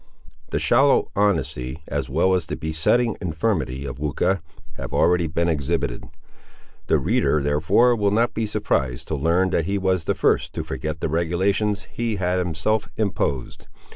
The shallow honesty, as well as the besetting infirmity of Weucha, have already been exhibited. The reader, therefore, will not be surprised to learn that he was the first to forget the regulations he had himself imposed.